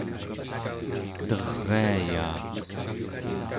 teriayaaq